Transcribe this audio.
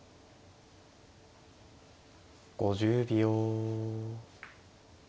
５０秒。